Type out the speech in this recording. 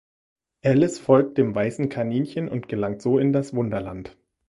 Alice folgt dem weißen Kaninchen und gelangt so in das Wunderland.